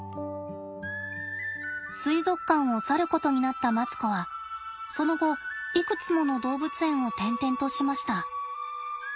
水族館を去ることになったマツコはその後いくつもの動物園を転々としました。